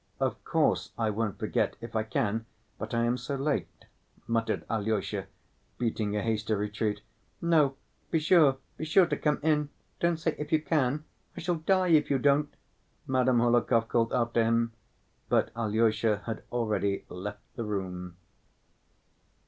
"Of course, I won't forget, if I can ... but I am so late," muttered Alyosha, beating a hasty retreat. "No, be sure, be sure to come in; don't say 'If you can.' I shall die if you don't," Madame Hohlakov called after him, but Alyosha had already left the room.